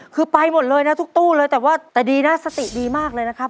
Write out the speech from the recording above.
คือไปหมดเลยนะทุกตู้เลยแต่ว่าแต่ดีนะสติดีมากเลยนะครับ